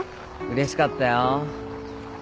うれしかったよ。